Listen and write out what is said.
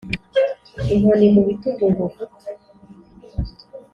Inkoni mu bitugu ngo vutu